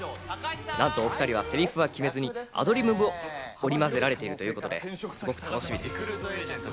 なんとお２人はセリフは決めず、アドリブも織り交ぜられているということで、すごく楽しみです。